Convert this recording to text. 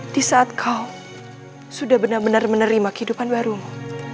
di saat kau sudah benar benar menerima kehidupan barumu